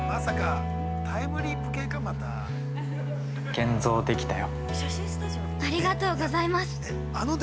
◆現像できたよ。